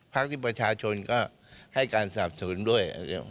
ที่ประชาชนก็ให้การสนับสนุนด้วย